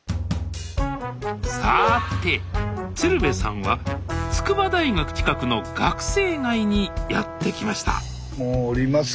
さて鶴瓶さんは筑波大学近くの学生街にやって来ましたもう降ります。